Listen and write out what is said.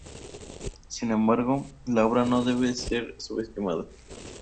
Sin embargo, la obra no debe ser subestimada.